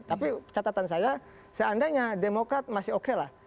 tapi catatan saya seandainya demokrat masih oke lah